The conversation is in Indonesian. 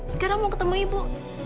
sekarang mau ketemu ibu